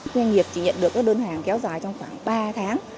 doanh nghiệp chỉ nhận được các đơn hàng kéo dài trong khoảng ba tháng